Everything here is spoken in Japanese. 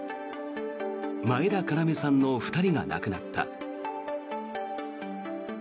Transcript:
前田要さんの２人が亡くなった。